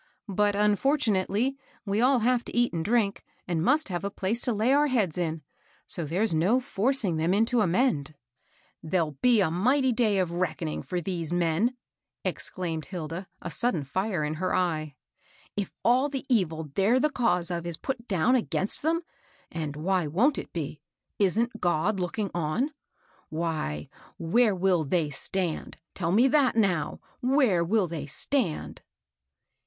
But, un fortunately, we all have to eat and drink, and must have a place to lay our heads in ; so there's no forcing them into a mend." " There'll be a mighty day of reckoning for these men !" exclaimed Hilda, a sudden fire in her eye. " If aU the evil they're the cause of is put down against them, — and why wont it be ?— isn't God looking on ?— why, where will they stand? Tell me that now, — where will they stand?"